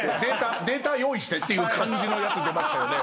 データ用意して」って感じのやつ出ましたよね。